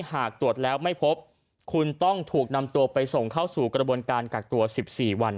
หากตรวจแล้วไม่พบคุณต้องถูกนำตัวไปส่งเข้าสู่กระบวนการกักตัว๑๔วัน